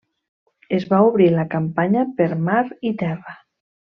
Es va obrir la campanya per mar i terra.